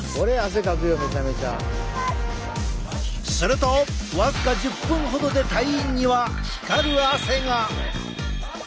すると僅か１０分ほどで隊員には光る汗が！